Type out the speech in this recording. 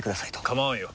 構わんよ。